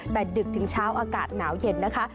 แต่ดึกถึงเช้าอากาศหนาวเย็นนะคะ